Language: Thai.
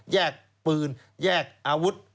แยกปืนแยกอาวุธ